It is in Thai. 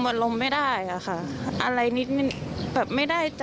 ผนัยรมค์ไม่ได้